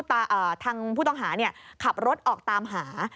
ทางผู้ต้องหาขับรถออกตามหา